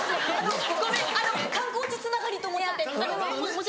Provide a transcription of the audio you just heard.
ごめん観光地つながりと思っちゃって申し訳ない。